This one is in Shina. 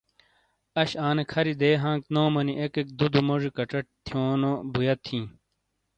اَش آنے کھَری دے ہانک نومونی ایکیک دُو دُو موجی کَچٹ تھِیونو بُویت ہِیں۔